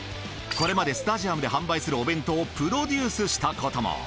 これまでスタジアムで販売するお弁当をプロデュースしたことも。